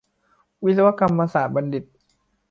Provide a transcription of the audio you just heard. วิศวกรรมศาสตรบัณฑิต